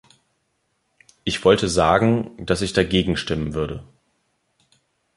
Ich wollte sagen, dass ich dagegen stimmen würde.